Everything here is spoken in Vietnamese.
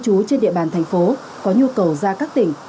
cư trú trên địa bàn thành phố có nhu cầu ra các tỉnh